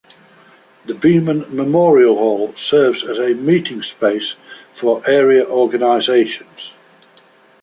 The Beaman Memorial Hall serves as a meeting space for area organizations.